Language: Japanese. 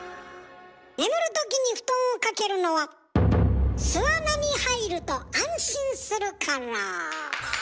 眠るときに布団をかけるのは巣穴に入ると安心するから。